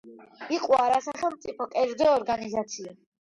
იყო არასახელმწიფო, კერძო ორგანიზაცია.